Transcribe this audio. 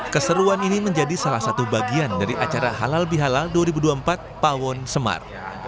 keseruan ini menjadi salah satu bagian dari acara halal bihalal dua ribu dua puluh empat pawon semar